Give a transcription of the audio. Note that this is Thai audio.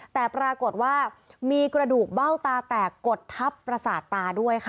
แต่ปรากฏว่ามีกระดูกเบ้าตาแตกกดทับประสาทตาด้วยค่ะ